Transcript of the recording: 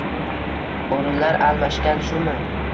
O‘rinlar almashgan, shumi?